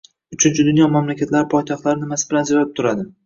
Uchinchi dunyo mamlakatlari poytaxtlari nimasi bilan ajralib turadi?